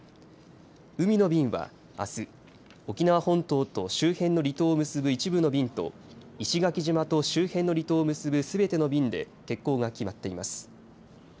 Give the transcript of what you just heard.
海の便は、あす沖縄本島と周辺の離島を結ぶ一部の便と石垣島と周辺の離島を結ぶすべての便で欠航が決まっています。